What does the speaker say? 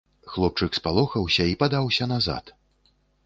Хлопчык спалохаўся і падаўся назад.